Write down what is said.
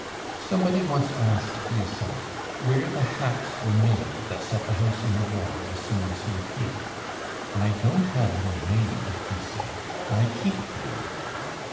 Somebody once asked Hyacinthe where the hats were made that set the house in a roar as soon as he appeared. "I don't have them made," he said; "I keep them!"